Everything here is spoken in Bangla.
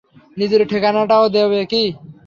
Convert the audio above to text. নিজের ঠিকানাটাও দেবে কি?